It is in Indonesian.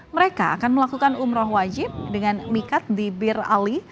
mereka akan melakukan umroh wajib dengan mikat di bir ali